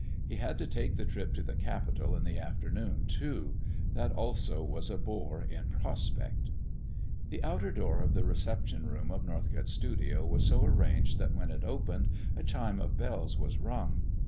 He had to take the trip to the capital in the afternoon, too. That also was a bore in prospect. The outer door of the reception room of Norcott's studio was so arranged that when it opened a chime of bells was rung.